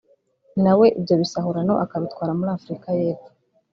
nawe ibyo bisahurano akabitwara muri Afrika y’Epfo